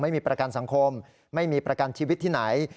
ไม่มีประกันสังคมไม่มีประกันชีวิตที่ไหน